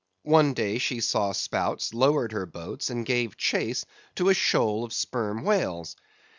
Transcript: One day she saw spouts, lowered her boats, and gave chase to a shoal of sperm whales.